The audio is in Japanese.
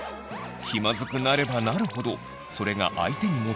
気まずくなればなるほどそれが相手にも伝染。